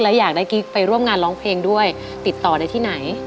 และอยากได้กิ๊กไปร่วมงานร้องเพลงด้วยติดต่อได้ที่ไหน